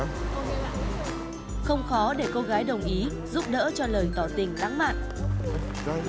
không khó để cô gái đồng ý